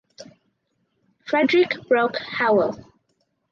Frederick Broke Howell.